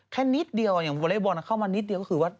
แค่นิดเดียวอย่างเวอร์เรย์บอลเข้ามานิดเดียวคือว่า